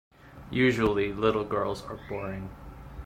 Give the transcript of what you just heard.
Usually, little girls are boring.